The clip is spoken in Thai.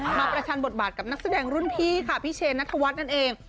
ประชันบทบาทกับนักแสดงรุ่นพี่ค่ะพี่เชนนัทวัฒน์นั่นเอง